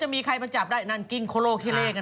จะมีใครมันจับได้นั่นกิ้งโคโลคิเลกันไปนะฮะ